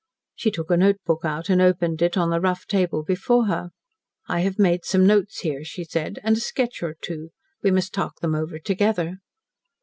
She took a note book out and opened it on the rough table before her. "I have made some notes here," she said, "and a sketch or two. We must talk them over together."